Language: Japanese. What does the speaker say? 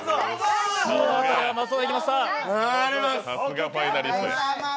さすがファイナリストや。